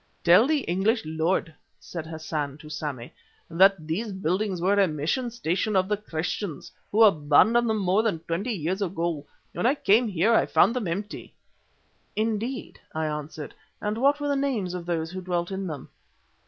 "Tell the English lord," said Hassan to Sammy, "that these buildings were a mission station of the Christians, who abandoned them more than twenty years ago. When I came here I found them empty." "Indeed," I answered, "and what were the names of those who dwelt in them?"